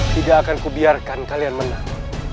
tidak akan kubiarkan kalian menang